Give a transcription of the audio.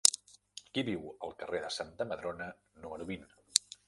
Qui viu al carrer de Santa Madrona número vint?